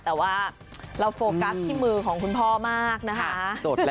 แต่ว่าเราโฟกัสที่มือของคุณพ่อมากนะคะ